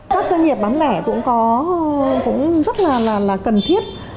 các doanh nghiệp bán lẻ cũng rất là cần thiết